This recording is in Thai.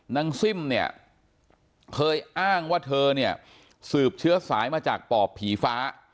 ซิ่มเนี่ยเคยอ้างว่าเธอเนี่ยสืบเชื้อสายมาจากปอบผีฟ้า